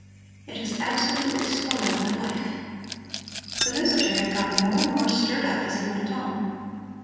It has absolutely spoiled my life." The visitor had gotten more and more stirred up as he went on.